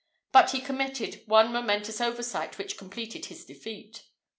But he committed one momentous oversight which completed his defeat.